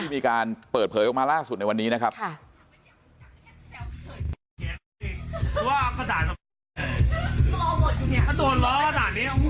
มีการเปิดเผยออกมาล่าสุดในวันนี้นะครับ